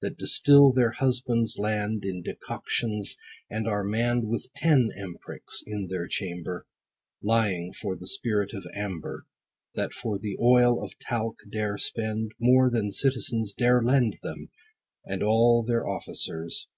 That distill, their husbands' land 20 In decoctions ; and are mann'd With ten emp'rics, in their chamber, Lying for the spirit of amber. That for the oil of talc dare spend More than citizens dare lend Them, and all their officers.